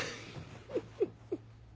フフフ。